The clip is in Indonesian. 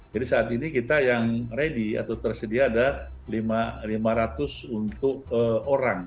jadi saat ini kita yang ready atau tersedia ada lima ratus untuk orang